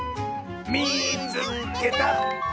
「みいつけた！」。